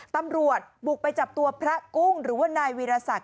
ตำรวจบุกไปจับตัวพระกุ้งหรือว่านายวีรศักดิ